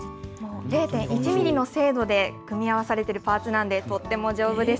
０．１ミリの精度で組み合わされているパーツなんで、とっても丈夫です。